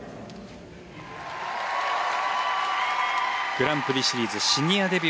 グランプリシリーズシニアデビューです。